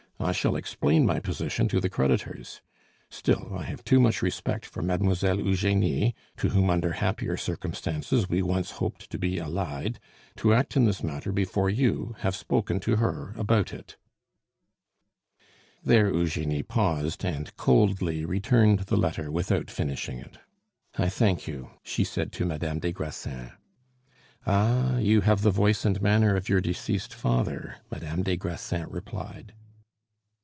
I shall explain my position to the creditors. Still, I have too much respect for Mademoiselle Eugenie (to whom under happier circumstances we once hoped to be allied) to act in this matter before you have spoken to her about it There Eugenie paused, and coldly returned the letter without finishing it. "I thank you," she said to Madame des Grassins. "Ah! you have the voice and manner of your deceased father," Madame des Grassins replied.